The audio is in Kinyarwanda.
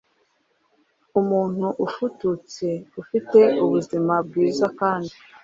Umuntu ufututse ufite ubuzima bwiza kandi,